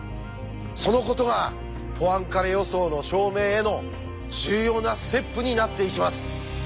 そのことがポアンカレ予想の証明への重要なステップになっていきます。